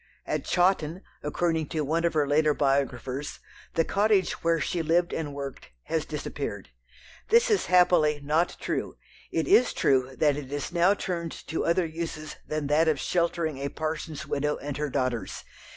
At Chawton, according to one of her later biographers, the "cottage" where she lived and worked has disappeared. This is happily not true. It is true that it is now turned to other uses than that of sheltering a parson's widow and her daughters.